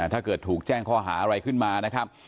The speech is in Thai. ถ้าเกิดถูกแจ้งข้อหาอะไรขึ้นมานะครับ